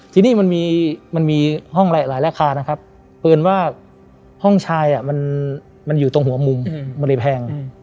ทีนี้มันมีมันมีห้องหลายหลายราคานะครับเพลินว่าห้องชายอ่ะมันมันอยู่ตรงหัวมุมอืมมันเลยแพงอืม